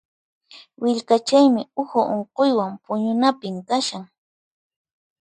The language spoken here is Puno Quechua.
Willkachaymi uhu unquywan puñunapim kashan.